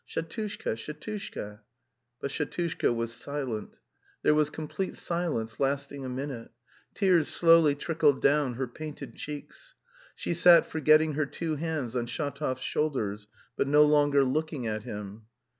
Shatushka, Shatushka!" But Shatushka was silent. There was complete silence lasting a minute. Tears slowly trickled down her painted cheeks. She sat forgetting her two hands on Shatov's shoulders, but no longer looking at him.